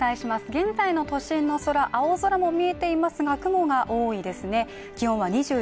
現在の都心の空、青空も見えていますが雲が多いですね。